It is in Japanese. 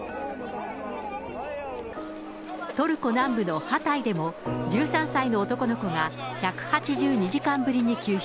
トルコ南部のハタイでも、１３歳の男の子が１８２時間ぶりに救出。